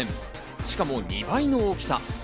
しかも２倍の大きさ。